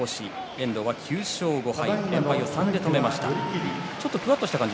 遠藤は９勝５敗。